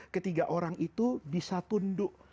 ketiga orang itu bisa tunduk